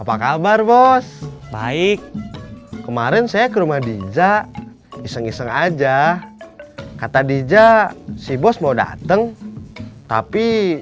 apa kabar bos baik kemarin saya ke rumah dinja iseng iseng aja kata dija si bos mau datang tapi